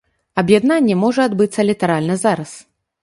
Аб'яднанне можа адбыцца літаральна зараз.